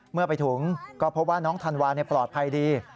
เมื่อไปถึงก็พบว่าน้องธันวาปลอดภัยดี